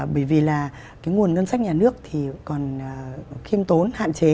bởi vì là cái nguồn ngân sách nhà nước thì còn khiêm tốn hạn chế